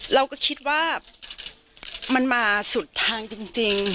เราก็คิดว่ามันมาสุดทางจริง